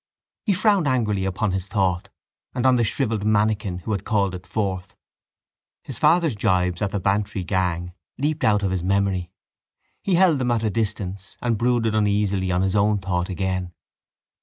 He frowned angrily upon his thought and on the shrivelled mannikin who had called it forth. His father's gibes at the Bantry gang leaped out of his memory. He held them at a distance and brooded uneasily on his own thought again.